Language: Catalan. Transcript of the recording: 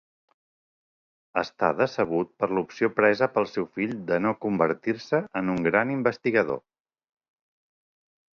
Està decebut per l'opció presa pel seu fill de no convertir-se en un gran investigador.